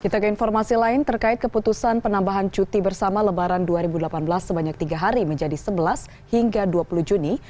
kita ke informasi lain terkait keputusan penambahan cuti bersama lebaran dua ribu delapan belas sebanyak tiga hari menjadi sebelas hingga dua puluh juni